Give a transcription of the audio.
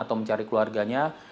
atau mencari keluarganya